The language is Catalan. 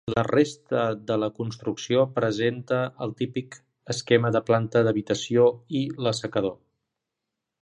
La resta de la construcció presenta el típic esquema de planta d'habitació i l'assecador.